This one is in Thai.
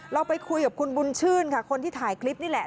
เราไปคุยกับคุณบุญชื่นค่ะคนที่ถ่ายคลิปนี่แหละ